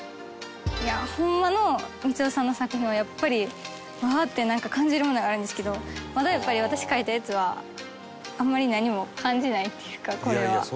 いやホンマのみつをさんの作品はやっぱりウワァってなんか感じるものがあるんですけどまだやっぱり私書いたやつはあんまり何も感じないっていうかこれは。